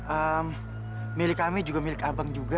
eee milik kami juga milik abang juga